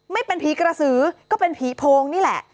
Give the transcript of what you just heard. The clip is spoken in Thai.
ไม่เป็นผีกระสือก็เป็นผีโพงนี่แหละ